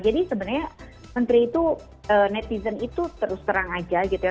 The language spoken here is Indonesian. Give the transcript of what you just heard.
jadi sebenarnya menteri itu netizen itu terus terang aja gitu ya